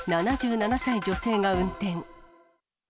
７７歳女性が運転。